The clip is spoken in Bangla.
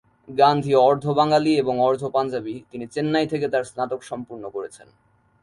গান্ধী অর্ধ বাঙ্গালি এবং অর্ধ পাঞ্জাবি, তিনি চেন্নাই থেকে তার স্নাতক সম্পূর্ণ করেছেন।